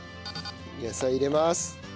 野菜入れます！